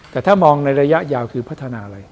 แต่ถ้ามองในระยะยาวคือพัฒนาอะไร